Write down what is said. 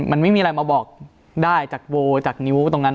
มันไม่มีอะไรมาบอกได้จากโวจากนิ้วตรงนั้น